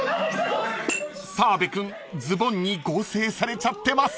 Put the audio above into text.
［澤部君ズボンに合成されちゃってます］